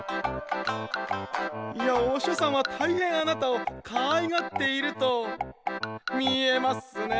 「御師匠さんは大変あなたを可愛がっていると見えますね」